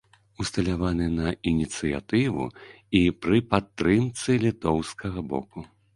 Усталяваны на ініцыятыву і пры падтрымцы літоўскага боку.